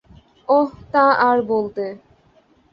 অহ, তা আর বলতে!